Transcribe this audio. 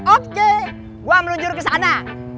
oke gue menunjuk ke sana